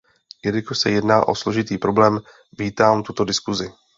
Jelikož se jedná o složitý problém, vítám tuto diskusi.